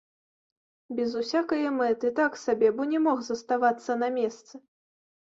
Без усякае мэты, так сабе, бо не мог заставацца на месцы.